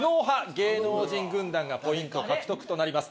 芸能人軍団がポイント獲得となります。